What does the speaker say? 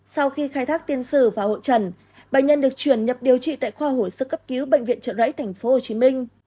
sau khi khai thác tiên sử và hội trần bệnh nhân được chuyển nhập điều trị tại khoa hồi sức cấp cứu bệnh viện trợ rẫy tp hcm